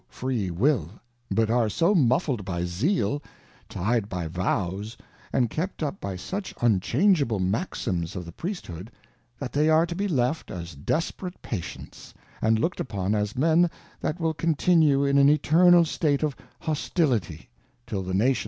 free.3Ell^but"are so muffled' by Zeal, tyed by Vows, and kept up by such unchangeable Maxims of the Priesthood, that they are to be left as desperate Patients, and look'd upon as Men that will continue in^aa Etemal State oi. Hostility, till the Nation.